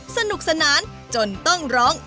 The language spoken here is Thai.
สนุกสนานจนต้องร้อง